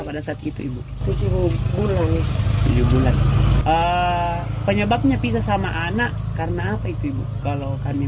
pada saat itu ibu tujuh bulan tujuh bulan penyebabnya pisah sama anak karena apa itu ibu kalau kami